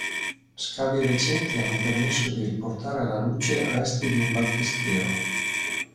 Scavi recenti hanno permesso di riportare alla luce resti di un battistero.